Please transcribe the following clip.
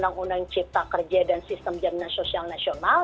undang undang cipta kerja dan sistem jaminan sosial nasional